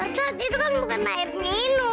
saat itu kan bukan air minum